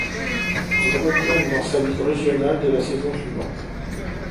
Il retourne dans sa ligue régionale dès la saison suivante.